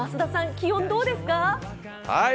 気温、どうですか？